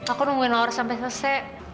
aku nungguin lawar sampai selesai